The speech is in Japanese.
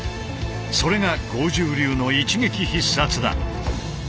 それが剛柔流の一撃必殺だ。